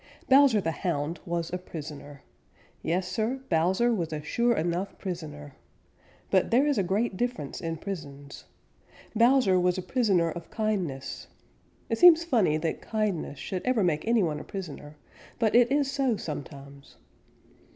_ Bowser the Hound was a prisoner. Yes, Sir, Bowser was a sure enough prisoner. But there is a great difference in prisons. Bowser was a prisoner of kindness. It seems funny that kindness should ever make any one a prisoner, but it is so sometimes.